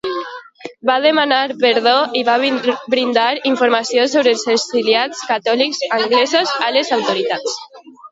Va demanar perdó i va brindar informació sobre els exiliats catòlics anglesos a les autoritats.